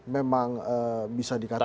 memang bisa dikatakan